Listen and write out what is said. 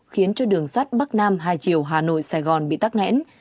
khiến cho đường sắt bắc nam hai chiều hà nội sài gòn bị tắt ngẽn